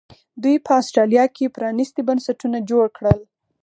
دوی په اسټرالیا کې پرانیستي بنسټونه جوړ کړل.